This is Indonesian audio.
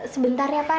sebentar ya pak